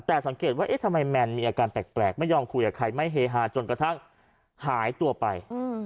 แต่สังเกตว่าเอ๊ะทำไมแมนมีอาการแปลกไม่ยอมคุยกับใครไม่เฮฮาจนกระทั่งหายตัวไป